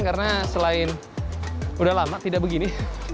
karena selain sudah lama tidak begini